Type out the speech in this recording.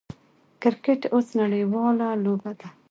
کرکټ اوس نړۍواله لوبه ده.